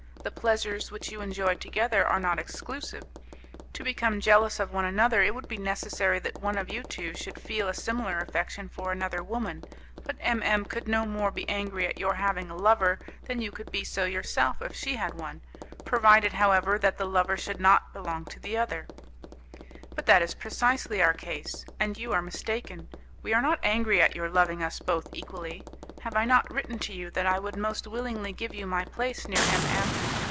The pleasures which you enjoy together are not exclusive. To become jealous of one another it would be necessary that one of you two should feel a similar affection for another woman but M M could no more be angry at your having a lover than you could be so yourself if she had one; provided, however, that the lover should not belong to the other" "But that is precisely our case, and you are mistaken. We are not angry at your loving us both equally. Have I not written to you that I would most willingly give you my place near M M